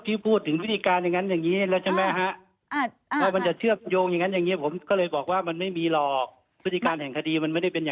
ข้อมูลคุณจอมขวัญเข้าใจพฤติการณ์ห่างคดีหมีฮะ